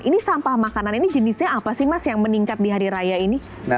ini sampah makanan ini jenisnya apa sih mas yang meningkat di hari raya ini